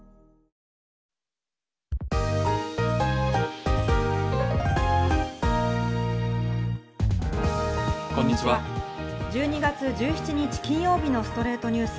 １２月１７日、金曜日の『ストレイトニュース』。